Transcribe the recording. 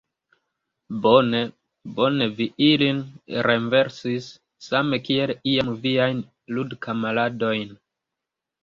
Bone, bone vi ilin renversis, same kiel iam viajn ludkamaradojn!